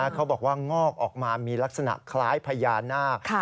บอกว่างอกออกมามีลักษณะคล้ายพญานาค